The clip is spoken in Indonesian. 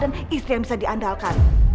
dan istri yang bisa diandalkan